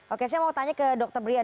oke saya mau tanya ke dr brian